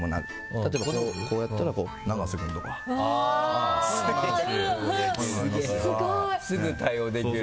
例えばこうやったら長瀬君とか。すぐ対応できる。